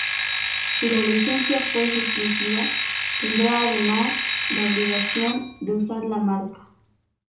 Si la licencia fuese exclusiva, tendrá además la obligación de usar la marca.